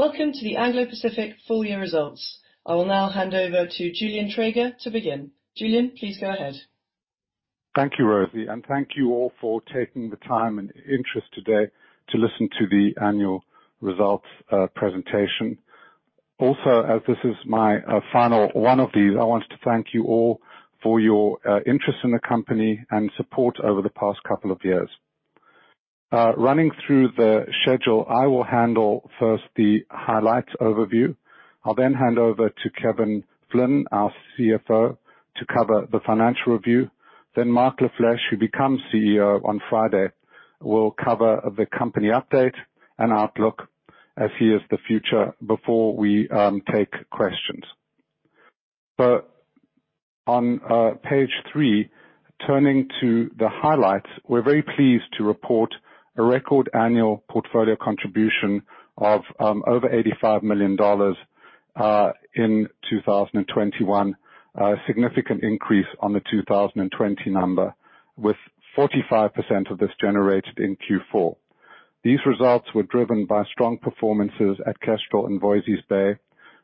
Welcome to the Anglo Pacific full year results. I will now hand over to Julian Treger to begin. Julian, please go ahead. Thank you, Rosie, and thank you all for taking the time and interest today to listen to the annual results presentation. Also, as this is my final one of these, I wanted to thank you all for your interest in the company and support over the past couple of years. Running through the schedule, I will handle first the highlights overview. I'll then hand over to Kevin Flynn, our CFO, to cover the financial review. Then Marc LaFleche, who becomes CEO on Friday, will cover the company update and outlook as he is the future, before we take questions. On page three, turning to the highlights, we're very pleased to report a record annual portfolio contribution of over $85 million in 2021. A significant increase on the 2020 number, with 45% of this generated in Q4. These results were driven by strong performances at Kestrel and Voisey's Bay,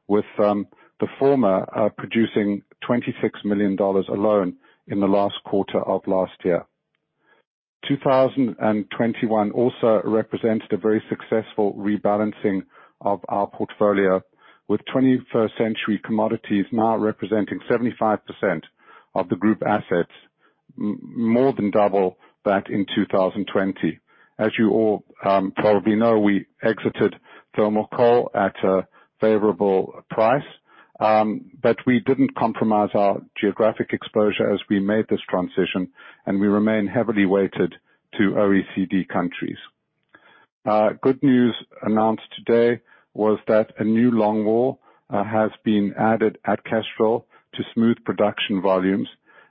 with the former producing $26 million alone in the last quarter of last year. 2021 also represents the very successful rebalancing of our portfolio, with 21st century commodities now representing 75% of the group assets, more than double that in 2020. As you all probably know, we exited thermal coal at a favorable price, but we didn't compromise our geographic exposure as we made this transition, and we remain heavily weighted to OECD countries. Good news announced today was that a new longwall has been added at Kestrel to smooth production volumes,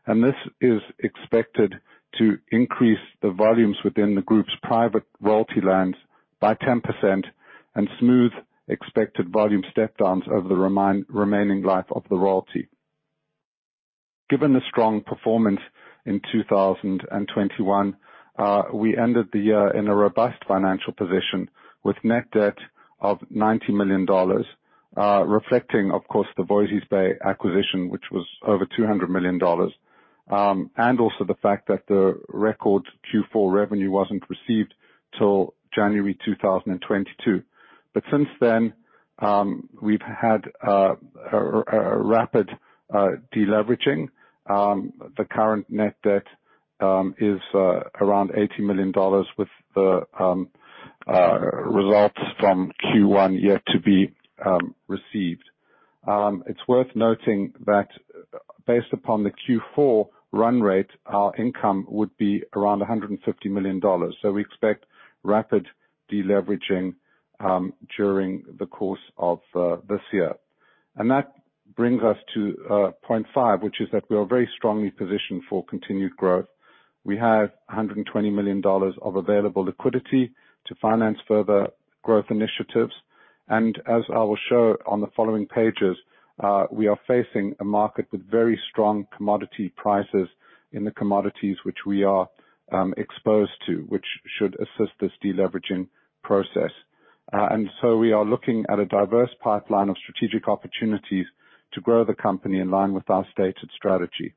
and this is expected to increase the volumes within the group's private royalty lands by 10% and smooth expected volume step downs over the remaining life of the royalty. Given the strong performance in 2021, we ended the year in a robust financial position with net debt of $90 million, reflecting, of course, the Voisey's Bay acquisition, which was over $200 million, and also the fact that the record Q4 revenue wasn't received till January 2022. Since then, we've had a rapid deleveraging. The current net debt is around $80 million with the results from Q1 yet to be received. It's worth noting that based upon the Q4 run rate, our income would be around $150 million. We expect rapid deleveraging during the course of this year. That brings us to point five, which is that we are very strongly positioned for continued growth. We have $120 million of available liquidity to finance further growth initiatives. As I will show on the following pages, we are facing a market with very strong commodity prices in the commodities which we are exposed to, which should assist this deleveraging process. We are looking at a diverse pipeline of strategic opportunities to grow the company in line with our stated strategy.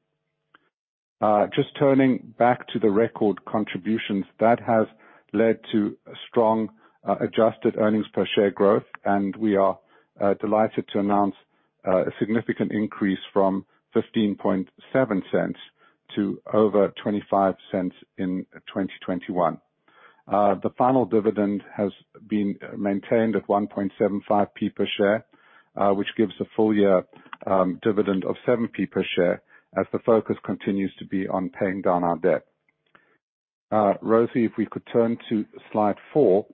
Just turning back to the record contributions, that has led to strong adjusted earnings per share growth, and we are delighted to announce a significant increase from $0.157 to over $0.25 in 2021. The final dividend has been maintained at 0.0175 per share, which gives a full year dividend of 0.07 per share as the focus continues to be on paying down our debt. Rosie, if we could turn to slide four,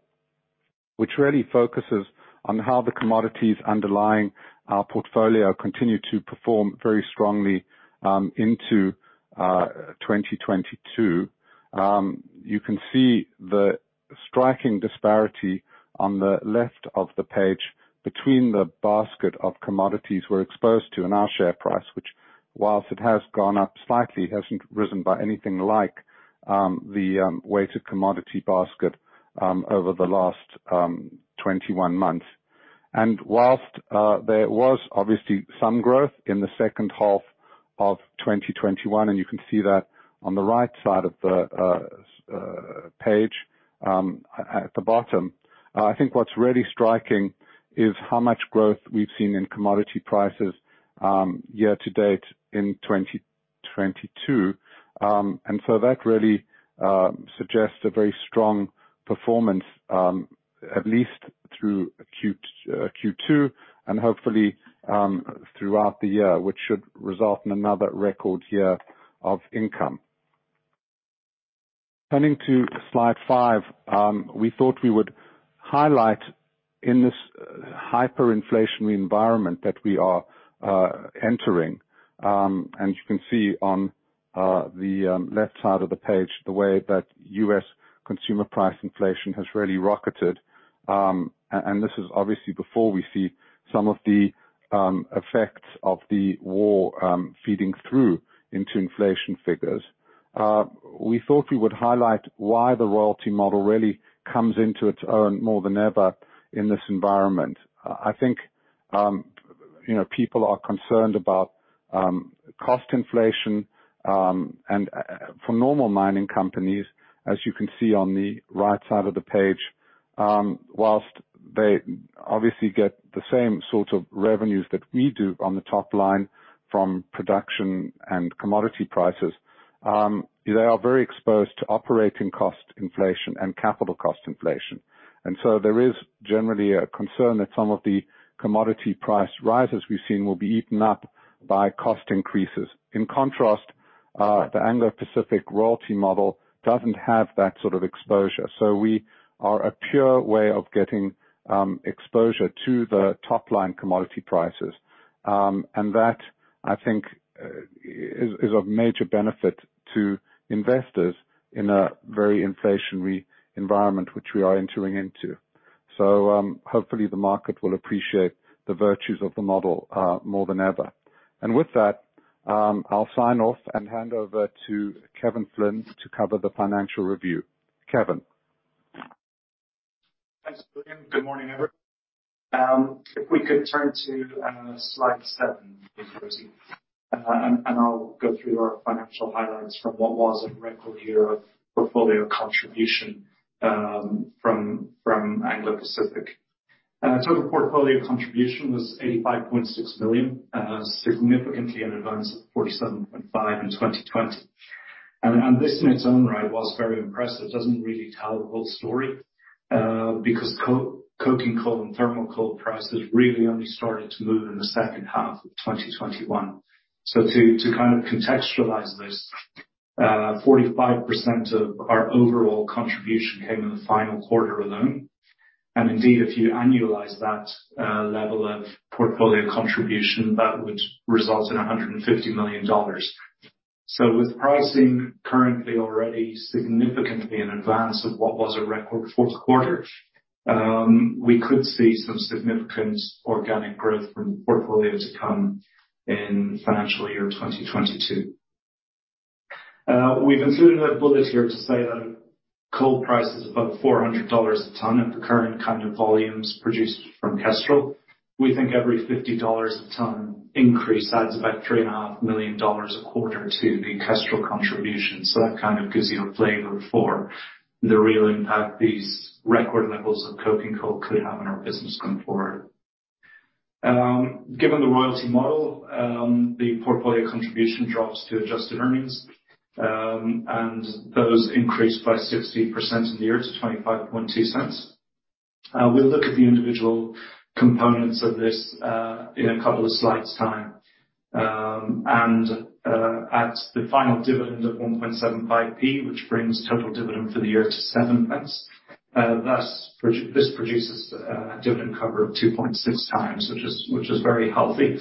which really focuses on how the commodities underlying our portfolio continue to perform very strongly into 2022. You can see the striking disparity on the left of the page between the basket of commodities we're exposed to and our share price, which while it has gone up slightly, hasn't risen by anything like the weighted commodity basket over the last 21 months. While there was obviously some growth in the second half of 2021, and you can see that on the right side of the page at the bottom, I think what's really striking is how much growth we've seen in commodity prices year to date in 2022. That really suggests a very strong performance at least through Q2 and hopefully throughout the year, which should result in another record year of income. Turning to slide five, we thought we would highlight in this hyperinflationary environment that we are entering, and you can see on the left side of the page the way that U.S. consumer price inflation has really rocketed. This is obviously before we see some of the effects of the war feeding through into inflation figures. We thought we would highlight why the royalty model really comes into its own more than ever in this environment. I think, you know, people are concerned about cost inflation, and for normal mining companies, as you can see on the right side of the page, while they obviously get the same sort of revenues that we do on the top line from production and commodity prices, they are very exposed to operating cost inflation and capital cost inflation. There is generally a concern that some of the commodity price rises we've seen will be eaten up by cost increases. In contrast, the Anglo Pacific royalty model doesn't have that sort of exposure, so we are a pure way of getting exposure to the top-line commodity prices. That, I think, is a major benefit to investors in a very inflationary environment, which we are entering into. Hopefully the market will appreciate the virtues of the model more than ever. With that, I'll sign off and hand over to Kevin Flynn to cover the financial review. Kevin? Thanks, Julian. Good morning, everyone. If we could turn to slide seven, please, Rosie. I'll go through our financial highlights from what was a record year of portfolio contribution from Anglo Pacific. Total portfolio contribution was $85.6 million, significantly in advance of $47.5 million in 2020. This in its own right was very impressive. It doesn't really tell the whole story because coking coal and thermal coal prices really only started to move in the second half of 2021. To kind of contextualize this, 45% of our overall contribution came in the final quarter alone. Indeed, if you annualize that level of portfolio contribution, that would result in $150 million. With pricing currently already significantly in advance of what was a record fourth quarter, we could see some significant organic growth from the portfolio to come in financial year 2022. We've included a bullet here to say that coal prices above $400 a tonne at the current kind of volumes produced from Kestrel, we think every $50 a tonne increase adds about $3.5 million a quarter to the Kestrel contribution. That kind of gives you a flavor for the real impact these record levels of coking coal could have on our business going forward. Given the royalty model, the portfolio contribution drops to adjusted earnings, and those increased by 60% in the year to $0.252. We'll look at the individual components of this in a couple of slides' time. At the final dividend of 0.0175, which brings total dividend for the year to 0.07, this produces a dividend cover of 2.6 times, which is very healthy.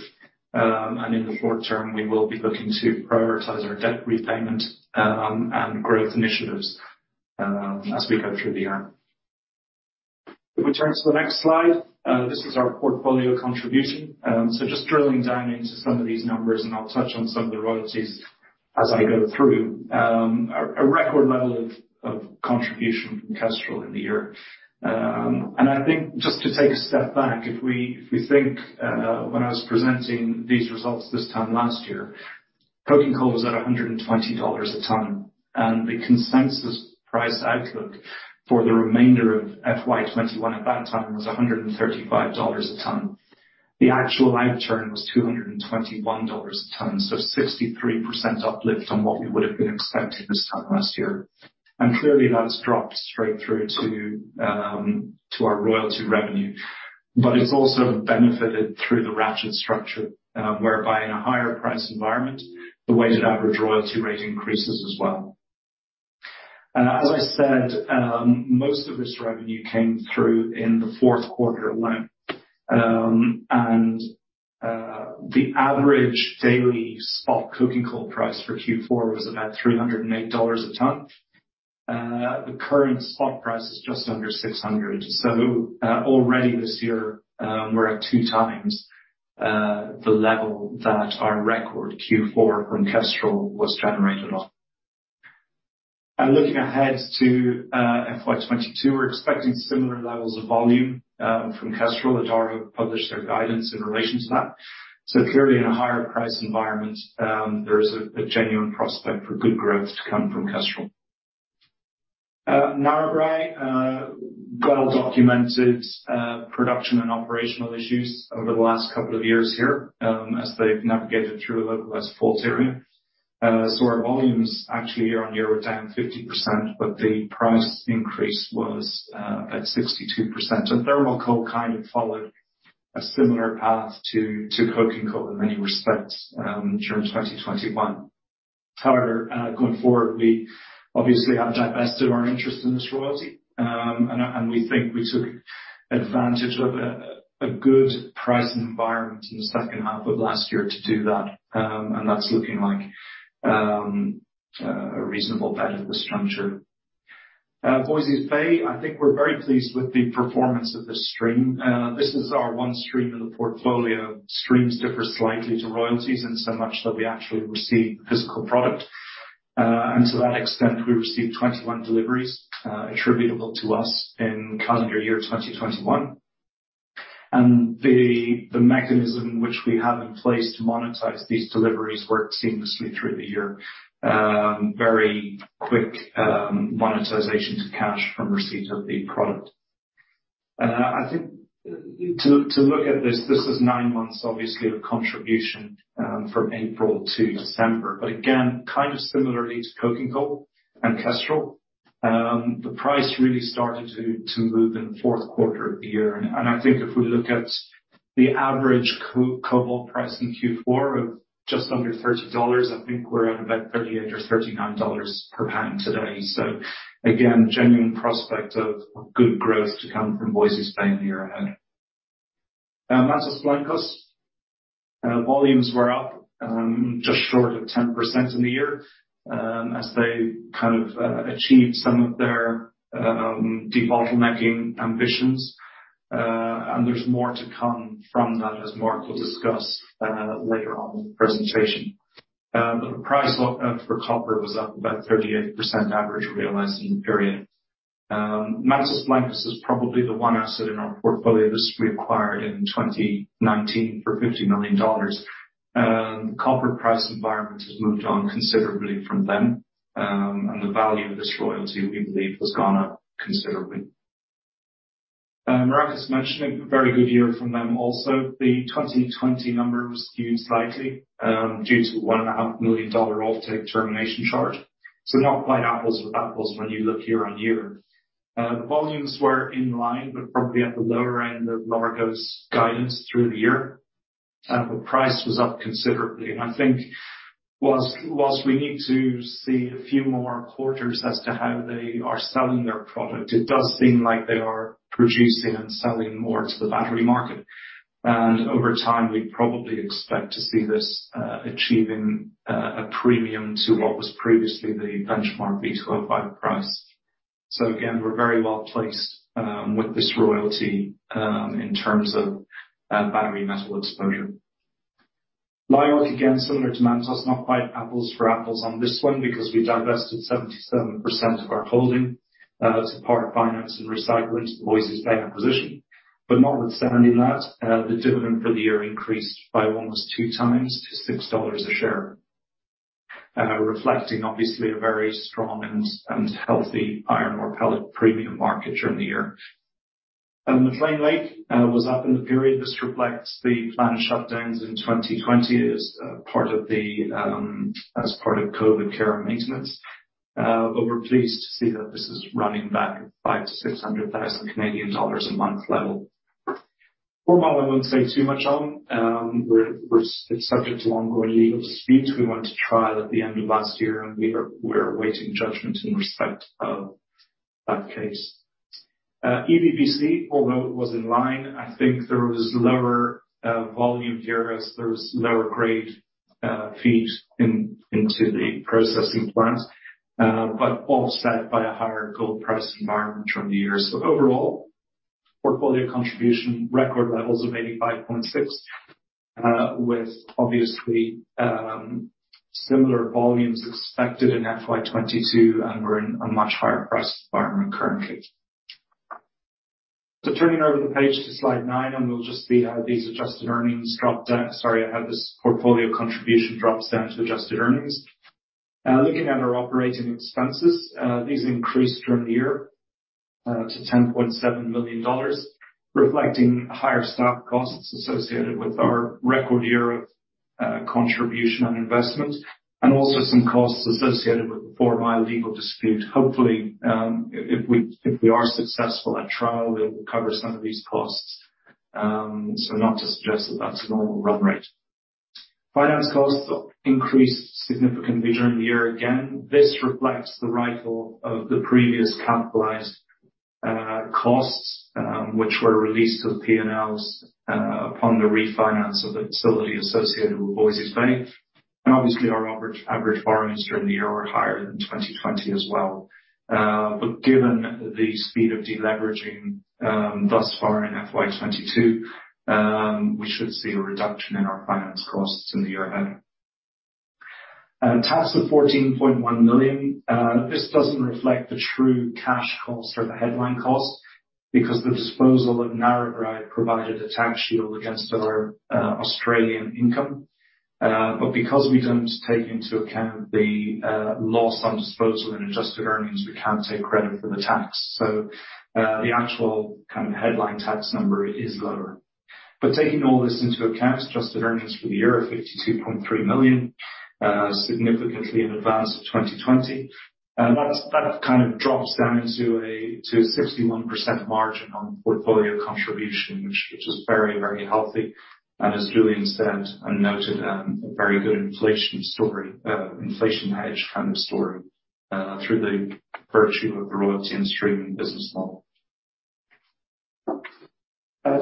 In the short term, we will be looking to prioritize our debt repayment, and growth initiatives, as we go through the year. If we turn to the next slide, this is our portfolio contribution. Just drilling down into some of these numbers, and I'll touch on some of the royalties as I go through. A record level of contribution from Kestrel in the year. I think just to take a step back, if we think when I was presenting these results this time last year, coking coal was at $120 a tonne, and the consensus price outlook for the remainder of FY 2021 at that time was $135 a tonne. The actual outturn was $221 a tonne, so 63% uplift on what we would have been expecting this time last year. Clearly that's dropped straight through to our royalty revenue. It's also benefited through the ratchet structure, whereby in a higher price environment, the weighted average royalty rate increases as well. As I said, most of this revenue came through in the fourth quarter alone. The average daily spot coking coal price for Q4 was about $308 a tonne. The current spot price is just under $600. Already this year, we're at two times the level that our record Q4 from Kestrel was generated on. Looking ahead to FY 2022, we're expecting similar levels of volume from Kestrel. Adaro published their guidance in relation to that. Clearly in a higher price environment, there is a genuine prospect for good growth to come from Kestrel. Narrabri, well-documented production and operational issues over the last couple of years here, as they've navigated through a little less fault area. Our volumes actually year-on-year were down 50%, but the price increase was at 62%. Thermal coal kind of followed a similar path to coking coal in many respects during 2021. However, going forward, we obviously have divested our interest in this royalty, and we think we took advantage of a good pricing environment in the second half of last year to do that. That's looking like a reasonable benefit structure. Voisey's Bay, I think we're very pleased with the performance of this stream. This is our one stream in the portfolio. Streams differ slightly to royalties, in so much that we actually receive physical product. To that extent, we received 21 deliveries attributable to us in calendar year 2021. The mechanism which we have in place to monetize these deliveries worked seamlessly through the year. Very quick monetization to cash from receipt of the product. I think to look at this is nine months, obviously, of contribution from April to December. Again, kind of similarly to coking coal and Kestrel, the price really started to move in the fourth quarter of the year. I think if we look at the average cobalt price in Q4 of just under $30, I think we're at about $38 or $39 per pound today. Again, genuine prospect of good growth to come from Voisey's Bay in the year ahead. Now, Mantos Blancos. Volumes were up just short of 10% in the year as they kind of achieved some of their debottlenecking ambitions. There's more to come from that, as Marc will discuss later on in the presentation. The price for copper was up about 38% average realized in the period. Mantos Blancos is probably the one asset in our portfolio that we acquired in 2019 for $50 million. The copper price environment has moved on considerably from then, and the value of this royalty, we believe, has gone up considerably. Maracás Menchen had a very good year from them also. The 2020 number was skewed slightly due to $1.5 million offtake termination charge. Not quite apples with apples when you look year-on-year. The volumes were in line, but probably at the lower end of Largo's guidance through the year. The price was up considerably. I think whilst we need to see a few more quarters as to how they are selling their product, it does seem like they are producing and selling more to the battery market. Over time, we'd probably expect to see this achieving a premium to what was previously the benchmark V2O5 price. Again, we're very well placed with this royalty in terms of battery metal exposure. LIORC, again, similar to Mantos, not quite apples for apples on this one because we divested 77% of our holding to part finance and recycle into the Voisey's Bay acquisition. Notwithstanding that, the dividend for the year increased by almost two times to $6 a share, reflecting obviously a very strong and healthy iron ore pellet premium market during the year. The McClean Lake was up in the period. This reflects the planned shutdowns in 2020 as part of COVID care and maintenance. We're pleased to see that this is running back 500,000-600,000 Canadian dollars a month level. Four Mile, I won't say too much on. We're subject to ongoing legal disputes. We went to trial at the end of last year, and we're awaiting judgment in respect of that case. EVBC, although it was in line, I think there was lower volume here as there was lower grade feed into the processing plant, but offset by a higher gold price environment during the year. Overall, portfolio contribution record levels of $85.6 million, with obviously, similar volumes expected in FY 2022, and we're in a much higher price environment currently. Turning over the page to slide nine, and we'll just see how these adjusted earnings drop down. Sorry, I have this portfolio contribution drops down to adjusted earnings. Looking at our operating expenses, these increased during the year to $10.7 million, reflecting higher staff costs associated with our record year of contribution and investment, and also some costs associated with the Four Mile legal dispute. Hopefully, if we are successful at trial, it will cover some of these costs. Not to suggest that that's a normal run rate. Finance costs increased significantly during the year. Again, this reflects the write-off of the previous capitalized costs, which were released to the P&Ls upon the refinance of the facility associated with Voisey's Bay. Obviously our average borrowings during the year are higher than 2020 as well. Given the speed of deleveraging thus far in FY 2022, we should see a reduction in our finance costs in the year ahead. Tax of $14.1 million. This doesn't reflect the true cash cost or the headline cost because the disposal of Narrabri provided a tax shield against our Australian income. Because we don't take into account the loss on disposal and adjusted earnings, we can't take credit for the tax. The actual kind of headline tax number is lower. Taking all this into account, adjusted earnings for the year are $52.3 million, significantly in advance of 2020. That kind of drops down into a 61% margin on portfolio contribution, which is very healthy. As Julian said and noted, a very good inflation story, inflation hedge kind of story, through the virtue of the royalty and streaming business model.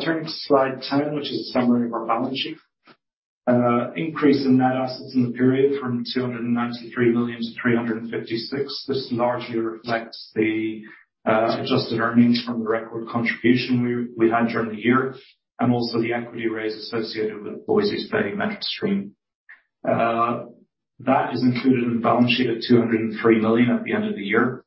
Turning to slide 10, which is a summary of our balance sheet. Increase in net assets in the period from $293 million to $356 million. This largely reflects the adjusted earnings from the record contribution we had during the year, and also the equity raise associated with Voisey's Bay metal stream. That is included in the balance sheet of $203 million at the end of the year.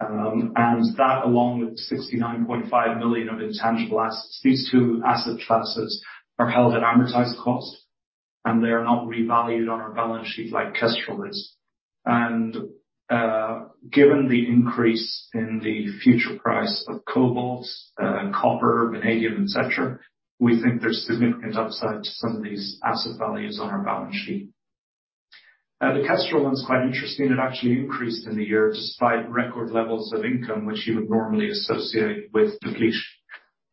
That along with $69.5 million of intangible assets. These two asset classes are held at amortized cost, and they are not revalued on our balance sheet like Kestrel is. Given the increase in the future price of cobalt, copper, vanadium, et cetera, we think there's significant upside to some of these asset values on our balance sheet. The Kestrel one's quite interesting. It actually increased in the year despite record levels of income, which you would normally associate with depletion.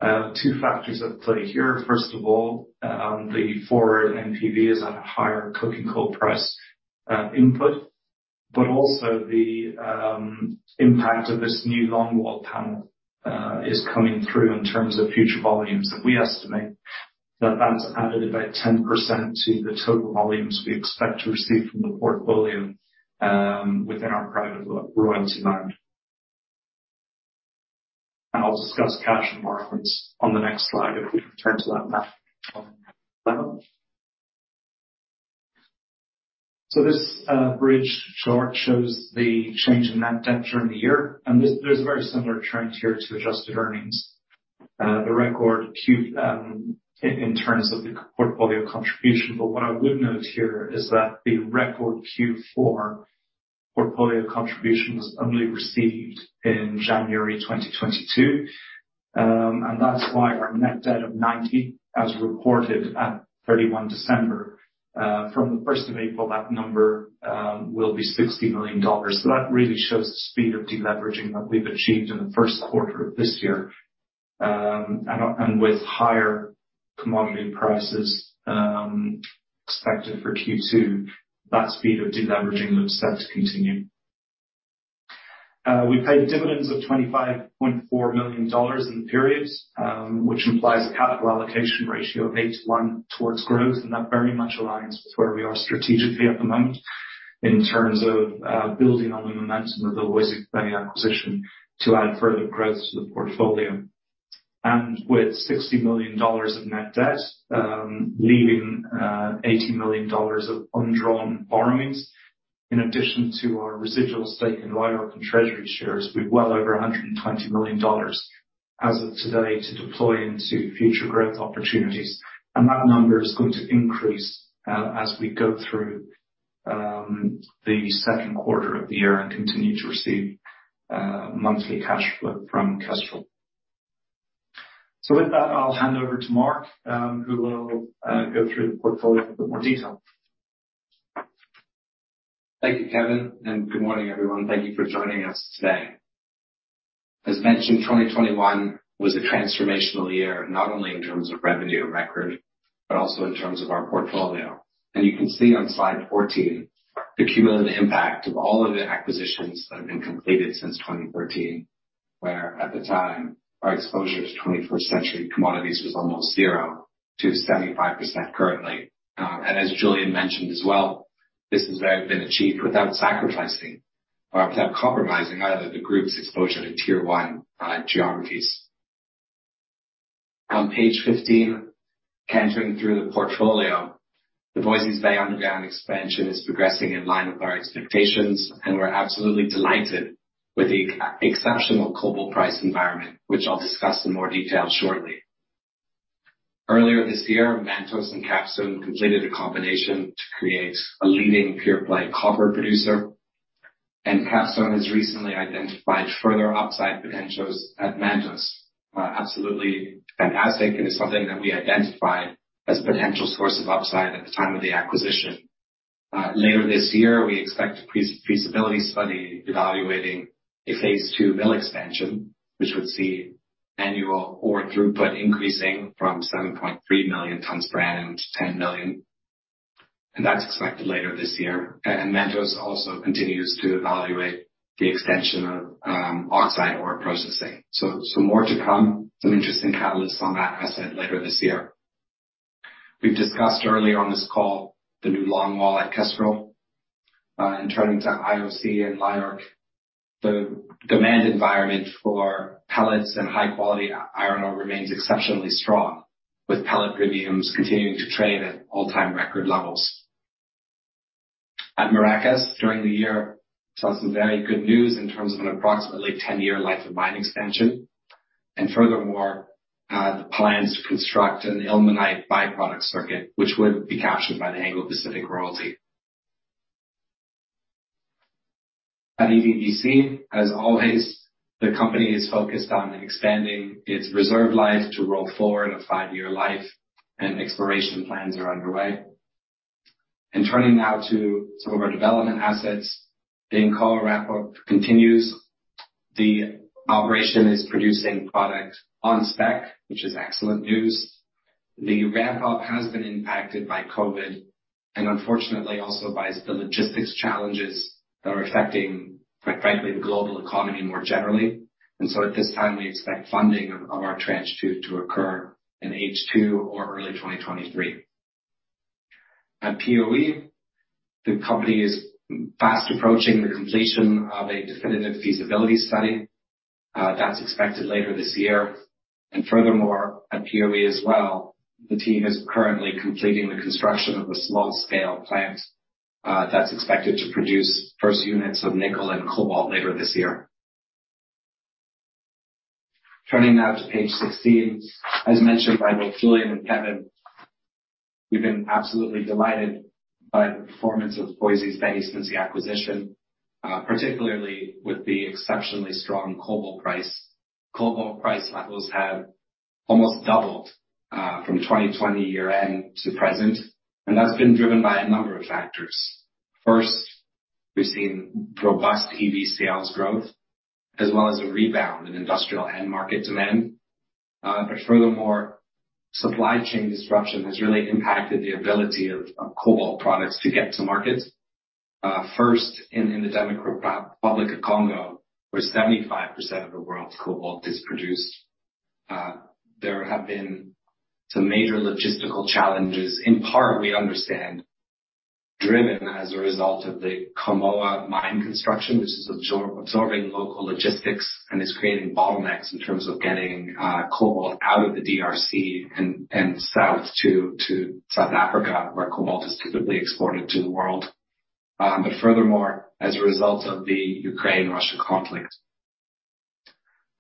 Two factors at play here. First of all, the forward NPV is at a higher coking coal price input, but also the impact of this new longwall panel is coming through in terms of future volumes that we estimate. That has added about 10% to the total volumes we expect to receive from the portfolio within our lifetime royalty amount. I'll discuss cash and margins on the next slide if we can turn to that now. This bridge chart shows the change in net debt during the year, and this. There's a very similar trend here to adjusted earnings. The record, in terms of the portfolio contribution, but what I would note here is that the record Q4 portfolio contribution was only received in January 2022. That's why our net debt of $90 million as reported at 31 December, from the first of April, that number will be $60 million. That really shows the speed of deleveraging that we've achieved in the first quarter of this year. With higher commodity prices expected for Q2, that speed of deleveraging looks set to continue. We paid dividends of $25.4 million in the periods, which implies a capital allocation ratio of 8-to-1 towards growth. That very much aligns with where we are strategically at the moment in terms of building on the momentum of the Voisey's Bay acquisition to add further growth to the portfolio. With $60 million of net debt, leaving $80 million of undrawn borrowings, in addition to our residual stake in LIORC and treasury shares with well over $120 million as of today to deploy into future growth opportunities. That number is going to increase as we go through the second quarter of the year and continue to receive monthly cash flow from Kestrel. With that, I'll hand over to Mark, who will go through the portfolio in a bit more detail. Thank you, Kevin, and good morning, everyone. Thank you for joining us today. As mentioned, 2021 was a transformational year, not only in terms of record revenue, but also in terms of our portfolio. You can see on slide 14 the cumulative impact of all of the acquisitions that have been completed since 2013. Where at the time, our exposure to 21st century commodities was almost 0%-75% currently. As Julian mentioned as well, this has been achieved without sacrificing or without compromising either the group's exposure to tier 1 geographies. On page 15, turning to the portfolio, the Voisey's Bay underground expansion is progressing in line with our expectations, and we're absolutely delighted with the exceptional cobalt price environment, which I'll discuss in more detail shortly. Earlier this year, Mantos and Capstone completed a combination to create a leading pure-play copper producer, and Capstone has recently identified further upside potentials at Mantos. Absolutely fantastic, and it's something that we identified as potential source of upside at the time of the acquisition. Later this year, we expect pre-feasibility study evaluating a phase two mill expansion, which would see annual ore throughput increasing from 7.3 million tonnes per annum to 10 million. That's expected later this year. Mantos also continues to evaluate the extension of oxide ore processing. So more to come. Some interesting catalysts on that asset later this year. We've discussed early on this call the new longwall at Kestrel. Turning to IOC and LIORC, the demand environment for pellets and high-quality iron ore remains exceptionally strong, with pellet premiums continuing to trade at all-time record levels. At Maracás, during the year, we saw some very good news in terms of an approximately 10-year life of mine expansion. The plans to construct an ilmenite byproduct circuit, which would be captured by the Anglo Pacific royalty. At EVBC, as always, the company is focused on expanding its reserve life to roll forward a five-year life and exploration plans are underway. Turning now to some of our development assets, the Nkala ramp-up continues. The operation is producing product on spec, which is excellent news. The ramp-up has been impacted by COVID and unfortunately also by the logistics challenges that are affecting, quite frankly, the global economy more generally. At this time we expect funding of our tranche two to occur in H2 or early 2023. At POE, the company is fast approaching the completion of a definitive feasibility study, that's expected later this year. At POE as well, the team is currently completing the construction of a small scale plant, that's expected to produce first units of nickel and cobalt later this year. Turning now to page 16. As mentioned by both Julian and Kevin, we've been absolutely delighted by the performance of Voisey's Bay since the acquisition, particularly with the exceptionally strong cobalt price. Cobalt price levels have almost doubled, from 2020 year end to present, and that's been driven by a number of factors. First, we've seen robust EV sales growth as well as a rebound in industrial end market demand. Furthermore, supply chain disruption has really impacted the ability of cobalt products to get to market. First in the Democratic Republic of Congo, where 75% of the world's cobalt is produced. There have been some major logistical challenges, in part we understand, driven as a result of the Kamoa mine construction, which is absorbing local logistics and is creating bottlenecks in terms of getting cobalt out of the DRC and south to South Africa, where cobalt is typically exported to the world. Furthermore, as a result of the Ukraine-Russia conflict.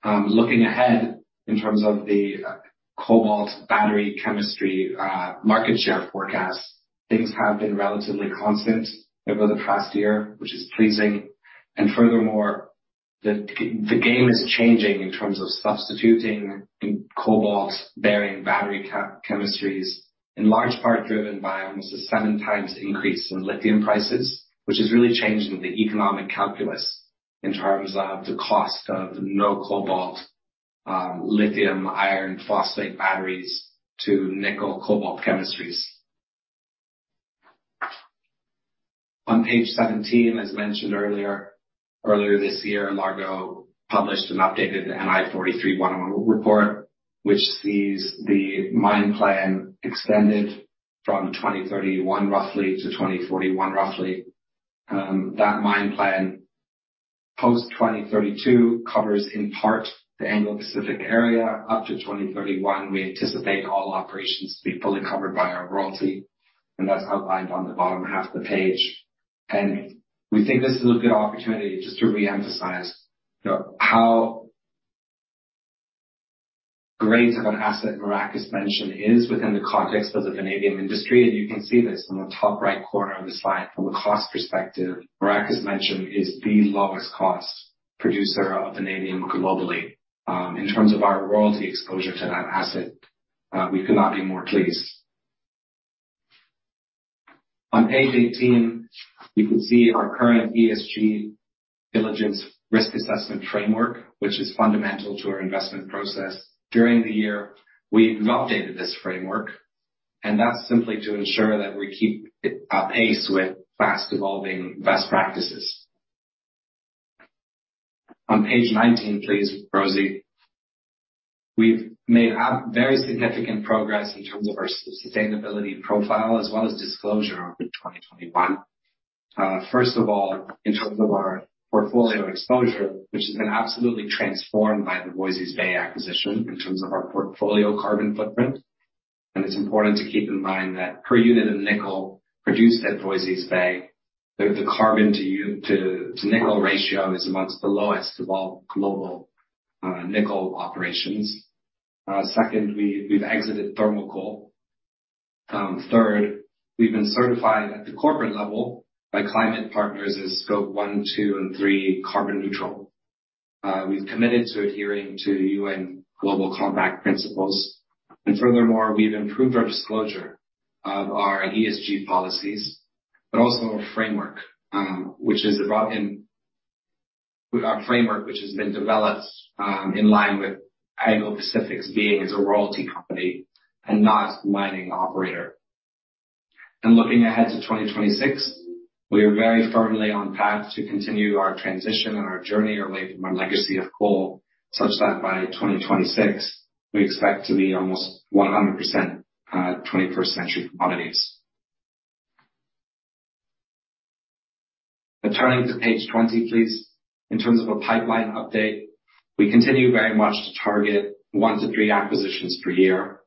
Looking ahead in terms of the cobalt battery chemistry market share forecast, things have been relatively constant over the past year, which is pleasing. Furthermore, the game is changing in terms of substituting in cobalt bearing battery chemistries, in large part driven by almost a seven times increase in lithium prices, which has really changed the economic calculus in terms of the cost of no cobalt, lithium iron phosphate batteries to nickel cobalt chemistries. On page 17, as mentioned earlier this year, Largo published an updated NI 43-101 report which sees the mine plan extended from 2031 roughly to 2041 roughly. That mine plan, post 2032 covers in part the Anglo Pacific area. Up to 2031, we anticipate all operations to be fully covered by our royalty, and that's outlined on the bottom half of the page. We think this is a good opportunity just to re-emphasize, you know, how great of an asset Maracás Menchen is within the context of the vanadium industry. You can see this in the top right corner of the slide. From a cost perspective, Maracás Menchen is the lowest cost producer of vanadium globally. In terms of our royalty exposure to that asset, we could not be more pleased. On page 18, we can see our current ESG diligence risk assessment framework, which is fundamental to our investment process. During the year, we've updated this framework, and that's simply to ensure that we keep apace with fast evolving best practices. On page 19, please, Rosie. We've made very significant progress in terms of our sustainability profile as well as disclosure over 2021. First of all, in terms of our portfolio exposure, which has been absolutely transformed by the Voisey's Bay acquisition in terms of our portfolio carbon footprint. It's important to keep in mind that per unit of nickel produced at Voisey's Bay, the carbon to nickel ratio is amongst the lowest of all global nickel operations. Second, we've exited thermal coal. Third, we've been certified at the corporate level by ClimatePartner as scope one, two and three carbon neutral. We've committed to adhering to UN Global Compact principles. Furthermore, we've improved our disclosure of our ESG policies, but also our framework, which is brought in with our framework, which has been developed in line with Anglo Pacific's being as a royalty company and not mining operator. Looking ahead to 2026, we are very firmly on path to continue our transition and our journey away from our legacy of coal, such that by 2026 we expect to be almost 100% 21st century commodities. Turning to page 20, please. In terms of a pipeline update, we continue very much to target one to three acquisitions per year.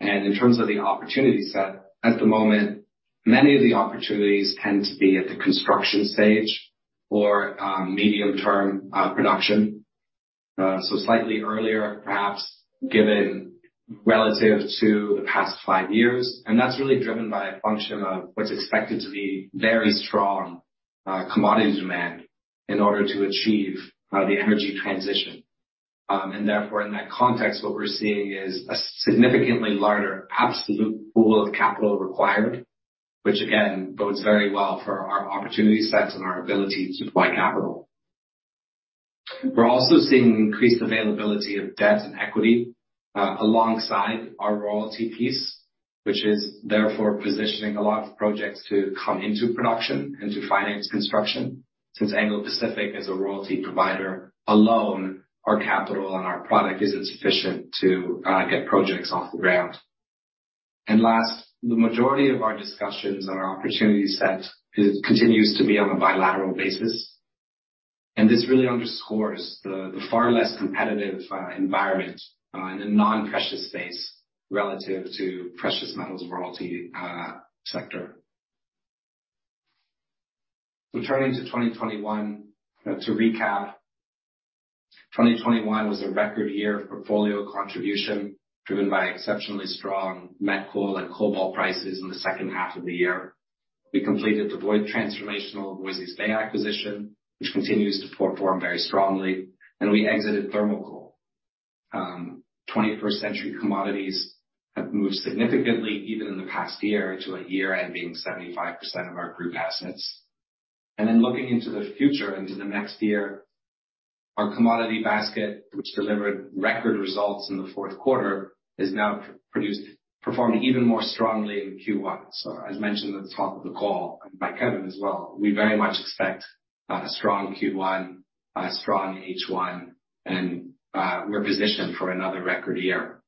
In terms of the opportunity set at the moment, many of the opportunities tend to be at the construction stage or medium term production. Slightly earlier perhaps given relative to the past five years. That's really driven by a function of what's expected to be very strong commodity demand in order to achieve the energy transition. Therefore, in that context, what we're seeing is a significantly larger absolute pool of capital required, which again bodes very well for our opportunity sets and our ability to deploy capital. We're also seeing increased availability of debt and equity alongside our royalty piece, which is therefore positioning a lot of projects to come into production and to finance construction. Since Anglo Pacific is a royalty provider alone, our capital and our product isn't sufficient to get projects off the ground. Last, the majority of our discussions on our opportunity set continues to be on a bilateral basis. This really underscores the far less competitive environment in a non-precious space relative to precious metals royalty sector. We turn into 2021. To recap, 2021 was a record year of portfolio contribution, driven by exceptionally strong met coal and cobalt prices in the second half of the year. We completed the transformational Voisey's Bay acquisition, which continues to perform very strongly, and we exited thermal coal. 21st-century commodities have moved significantly even in the past year, into a year ending 75% of our group assets. Then looking into the future, into the next year, our commodity basket, which delivered record results in the fourth quarter, has now performed even more strongly in Q1. As mentioned at the top of the call by Kevin as well, we very much expect a strong Q1, a strong H1, and we're positioned for another record year.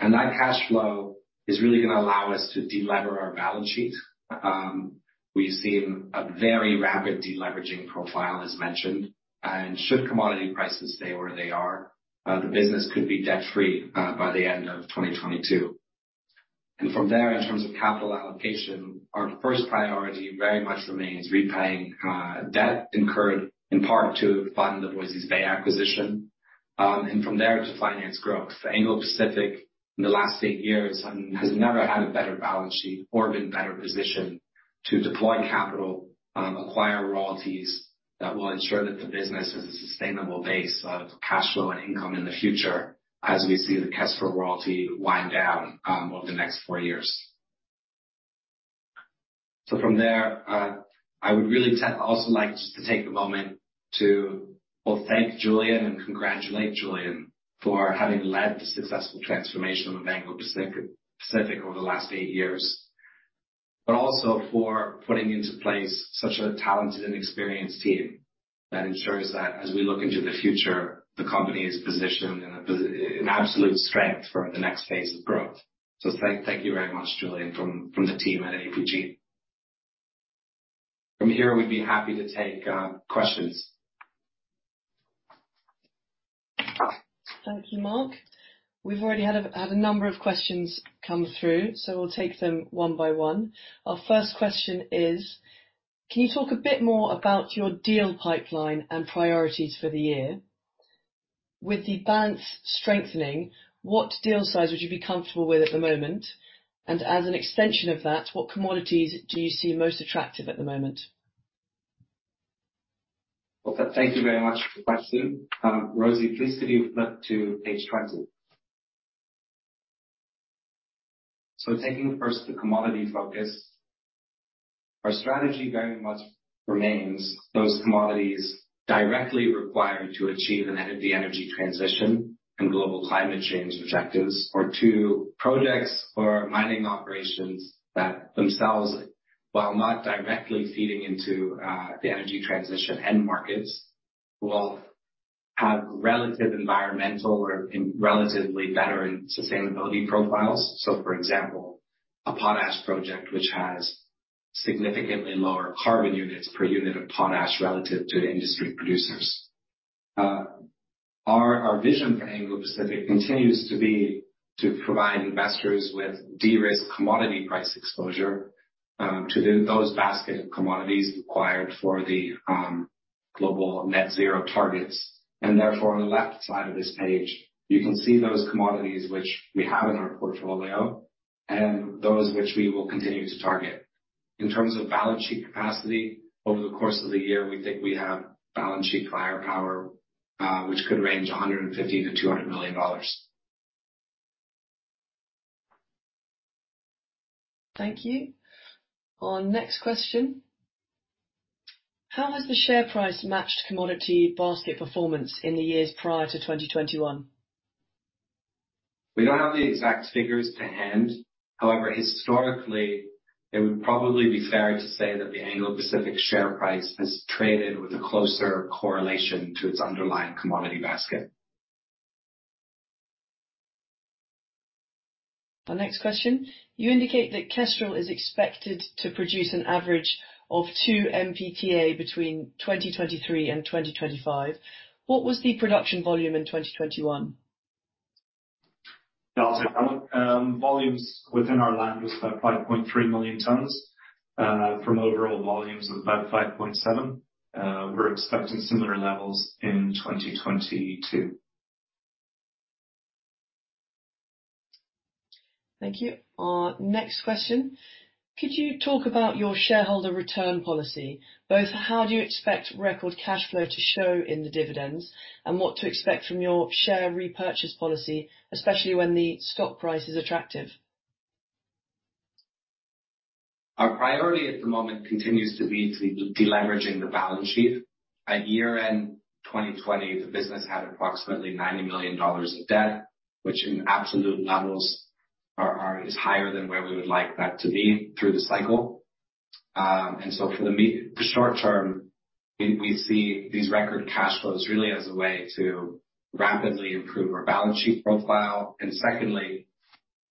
That cash flow is really gonna allow us to de-lever our balance sheet. We've seen a very rapid de-leveraging profile, as mentioned. Should commodity prices stay where they are, the business could be debt-free by the end of 2022. From there, in terms of capital allocation, our first priority very much remains repaying debt incurred in part to fund the Voisey's Bay acquisition, and from there to finance growth. Anglo Pacific in the last eight years has never had a better balance sheet or been better positioned to deploy capital and acquire royalties that will ensure that the business has a sustainable base of cash flow and income in the future as we see the Kestrel royalty wind down over the next four years. From there, I would really also like just to take a moment to both thank Julian and congratulate Julian for having led the successful transformation of Anglo Pacific over the last eight years, but also for putting into place such a talented and experienced team that ensures that as we look into the future, the company is positioned in absolute strength for the next phase of growth. Thank you very much, Julian, from the team at APG. From here, we'd be happy to take questions. Thank you, Marc. We've already had a number of questions come through, so we'll take them one by one. Our first question is: Can you talk a bit more about your deal pipeline and priorities for the year? With the balance strengthening, what deal size would you be comfortable with at the moment? And as an extension of that, what commodities do you see most attractive at the moment? Well said. Thank you very much for the question. Rosie, please can you flip to page 20. Taking first the commodity focus. Our strategy very much remains those commodities directly required to achieve the energy transition and global climate change objectives, or to projects or mining operations that themselves, while not directly feeding into the energy transition end markets, will have relative environmental or relatively better and sustainability profiles. For example, a potash project which has significantly lower carbon units per unit of potash relative to industry producers. Our vision for Anglo Pacific continues to be to provide investors with de-risked commodity price exposure to those basket of commodities required for the global net zero targets. Therefore, on the left side of this page, you can see those commodities which we have in our portfolio and those which we will continue to target. In terms of balance sheet capacity, over the course of the year, we think we have balance sheet firepower, which could range $150 million-$200 million. Thank you. Our next question: How has the share price matched commodity basket performance in the years prior to 2021? We don't have the exact figures to hand. However, historically, it would probably be fair to say that the Anglo Pacific share price has traded with a closer correlation to its underlying commodity basket. Our next question: You indicate that Kestrel is expected to produce an average of 2 Mtpa between 2023 and 2025. What was the production volume in 2021? I'll take that one. Volumes within our land was about 5.3 million tonnes from overall volumes of about 5.7 tonnes. We're expecting similar levels in 2022. Thank you. Our next question: Could you talk about your shareholder return policy, both how do you expect record cash flow to show in the dividends and what to expect from your share repurchase policy, especially when the stock price is attractive? Priority at the moment continues to be deleveraging the balance sheet. At year-end 2020 the business had approximately $90 million in debt, which in absolute levels is higher than where we would like that to be through the cycle. For the short term, we see these record cash flows really as a way to rapidly improve our balance sheet profile. Secondly,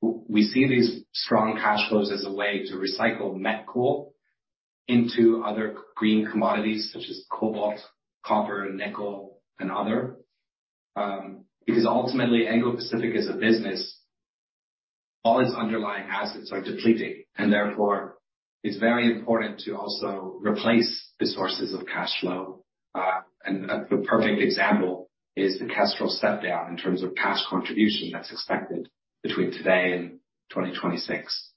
we see these strong cash flows as a way to recycle met coal into other green commodities such as cobalt, copper, nickel, and other because ultimately Anglo Pacific as a business, all its underlying assets are depleting, and therefore it's very important to also replace the sources of cash flow. The perfect example is the Kestrel step down in terms of cash contribution that's expected between today and 2026.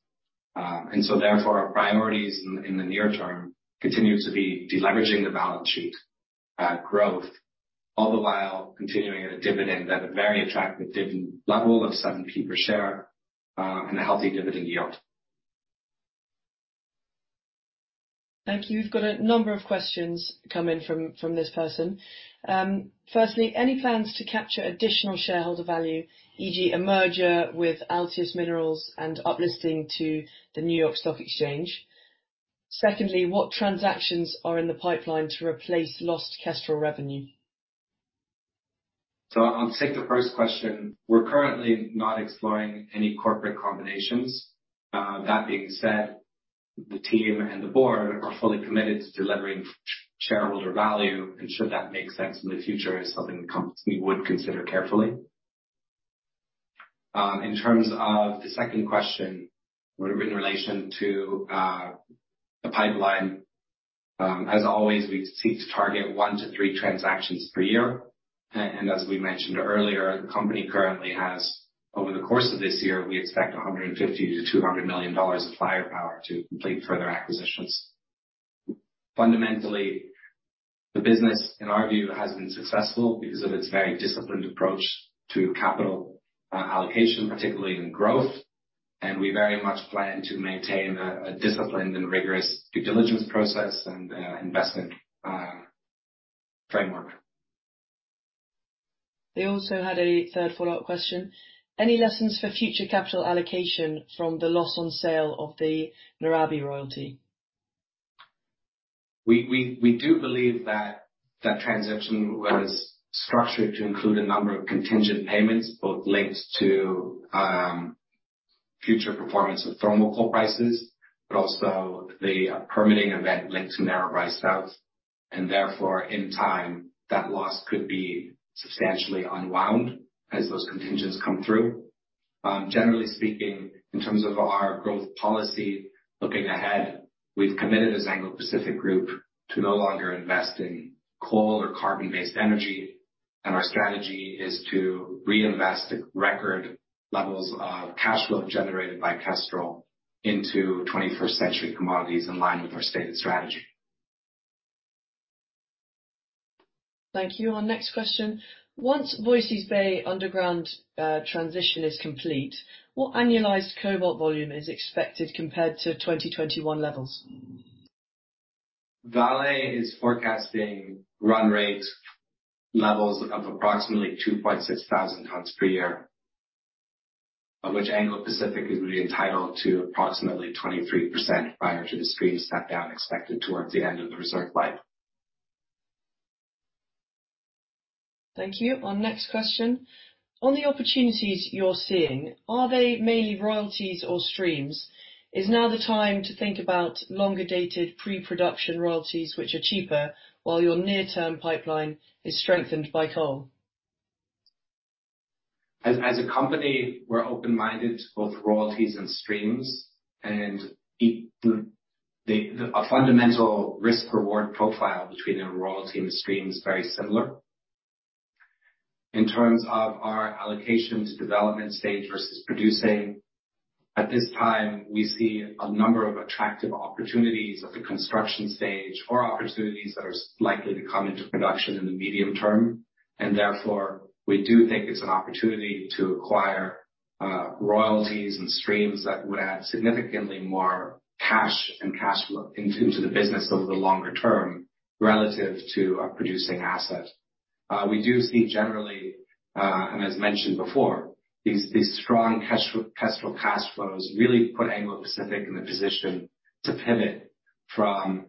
Our priorities in the near term continue to be deleveraging the balance sheet, growth, all the while continuing the dividend at a very attractive level of 0.07 per share, and a healthy dividend yield. Thank you. We've got a number of questions come in from this person. Firstly, any plans to capture additional shareholder value, e.g., a merger with Altius Minerals and up listing to the New York Stock Exchange? Secondly, what transactions are in the pipeline to replace lost Kestrel revenue? I'll take the first question. We're currently not exploring any corporate combinations. That being said, the team and the board are fully committed to delivering shareholder value, and should that make sense in the future is something the company would consider carefully. In terms of the second question, with relation to the pipeline, as always, we seek to target one to three transactions per year. And as we mentioned earlier, the company currently has, over the course of this year, we expect $150 million-$200 million of firepower to complete further acquisitions. Fundamentally, the business, in our view, has been successful because of its very disciplined approach to capital allocation, particularly in growth. We very much plan to maintain a disciplined and rigorous due diligence process and investment framework. They also had a third follow-up question. Any lessons for future capital allocation from the loss on sale of the Narrabri royalty? We do believe that transaction was structured to include a number of contingent payments, both linked to future performance of thermal coal prices, but also the permitting event linked to Narrabri South. Therefore, in time, that loss could be substantially unwound as those contingents come through. Generally speaking, in terms of our growth policy looking ahead, we've committed as Anglo Pacific Group to no longer invest in coal or carbon-based energy, and our strategy is to reinvest the record levels of cash flow generated by Kestrel into 21st century commodities in line with our stated strategy. Thank you. Our next question. Once Voisey's Bay underground transition is complete, what annualized cobalt volume is expected compared to 2021 levels? Vale is forecasting run-rate levels of approximately 2,600 tonnes per year, of which Anglo Pacific is really entitled to approximately 23% prior to the stream step-down expected towards the end of the reserve life. Thank you. Our next question. On the opportunities you're seeing, are they mainly royalties or streams? Is now the time to think about longer-dated pre-production royalties which are cheaper while your near-term pipeline is strengthened by coal? As a company, we're open-minded to both royalties and streams, and our fundamental risk/reward profile between a royalty and a stream is very similar. In terms of our allocations development stage versus producing, at this time we see a number of attractive opportunities at the construction stage or opportunities that are likely to come into production in the medium term. Therefore, we do think it's an opportunity to acquire royalties and streams that would add significantly more cash and cash flow into the business over the longer term, relative to a producing asset. We do see generally, and as mentioned before, these strong Kestrel cash flows really put Anglo Pacific in the position to pivot from,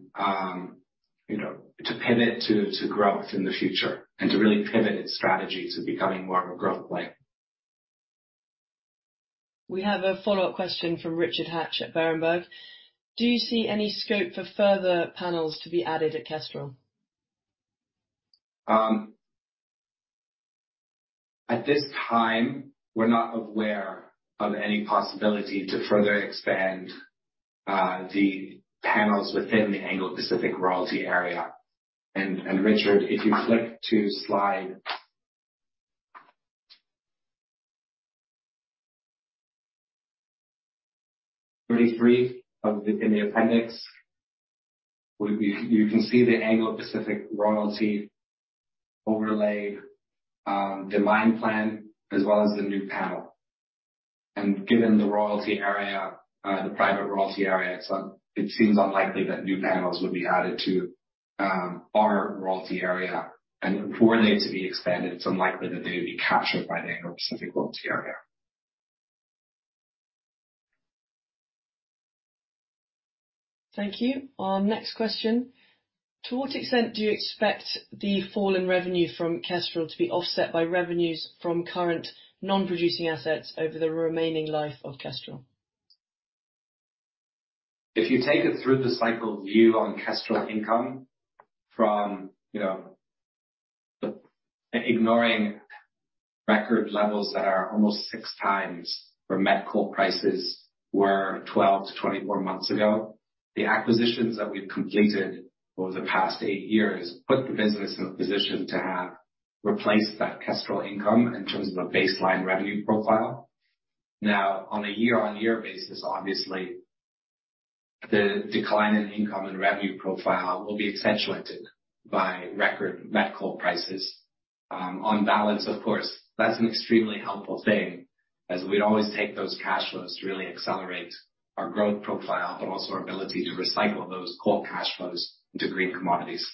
to pivot to growth in the future and to really pivot its strategy to becoming more of a growth play. We have a follow-up question from Richard Hatch at Berenberg. Do you see any scope for further panels to be added at Kestrel? At this time, we're not aware of any possibility to further expand the panels within the Anglo Pacific royalty area. Richard, if you flick to slide 33 in the appendix, you can see the Anglo Pacific royalty overlay, the mine plan as well as the new panel. Given the royalty area, the private royalty area, it seems unlikely that new panels would be added to our royalty area. For there to be expanded, it's unlikely that they would be captured by the Anglo Pacific royalty area. Thank you. Our next question. To what extent do you expect the fall in revenue from Kestrel to be offset by revenues from current non-producing assets over the remaining life of Kestrel? If you take it through the cycle view on Kestrel income from, you know, ignoring record levels that are almost six times where met coal prices were 12-24 months ago, the acquisitions that we've completed over the past eight years put the business in a position to have replaced that Kestrel income in terms of a baseline revenue profile. Now, on a year-on-year basis, obviously, the decline in income and revenue profile will be accentuated by record met coal prices. On balance, of course, that's an extremely helpful thing as we always take those cash flows to really accelerate our growth profile, but also our ability to recycle those core cash flows into green commodities.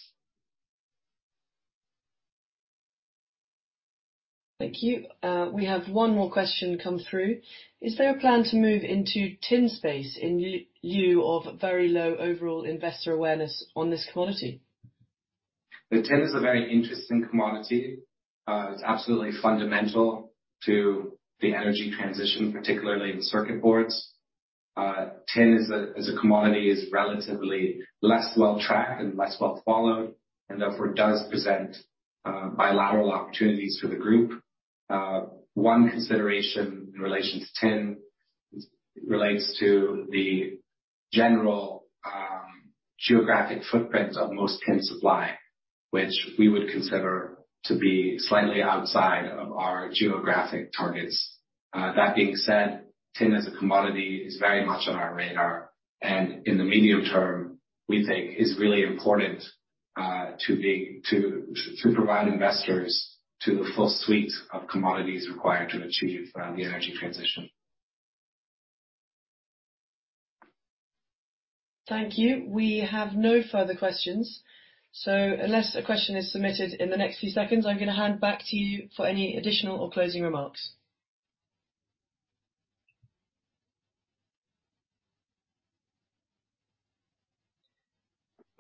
Thank you. We have one more question come through. Is there a plan to move into tin space in lieu of very low overall investor awareness on this commodity? Tin is a very interesting commodity. It's absolutely fundamental to the energy transition, particularly the circuit boards. Tin as a commodity is relatively less well-tracked and less well followed, and therefore does present viable opportunities for the group. One consideration in relation to tin relates to the general geographic footprint of most tin supply, which we would consider to be slightly outside of our geographic targets. That being said, tin as a commodity is very much on our radar, and in the medium term, we think is really important to provide investors with the full suite of commodities required to achieve the energy transition. Thank you. We have no further questions. Unless a question is submitted in the next few seconds, I'm gonna hand back to you for any additional or closing remarks.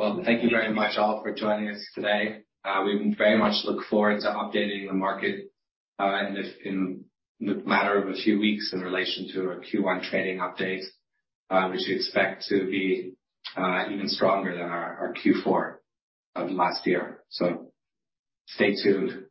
Well, thank you very much all for joining us today. We very much look forward to updating the market in the matter of a few weeks in relation to our Q1 trading update, which we expect to be even stronger than our Q4 of last year. Stay tuned.